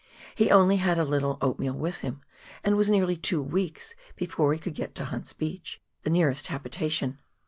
He only had a little oatmeal with him, and was nearly two weeks before he could get to Hunt's Beach — the nearest habitation.